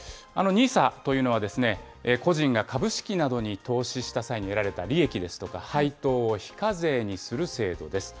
ＮＩＳＡというのは、個人が株式などに投資した際に得られた利益ですとか配当を非課税にする制度です。